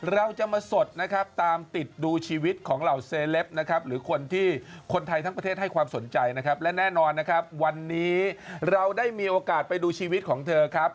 เราจะมาสดนะครับตามติดดูชีวิตของเหล่าเซเลปนะครับหรือคนที่คนไทยทั้งประเทศให้ความสนใจนะครับและแน่นอนนะครับวันนี้เราได้มีโอกาสไปดูชีวิตของเธอครับ